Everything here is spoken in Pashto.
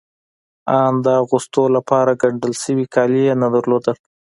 آن د اغوستو لپاره ګنډل شوي کالي يې نه درلودل.